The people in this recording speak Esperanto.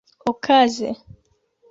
okaze